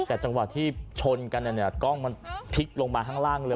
แต่จังหวะที่ชนกันเนี่ยกล้องมันพลิกลงมาข้างล่างเลย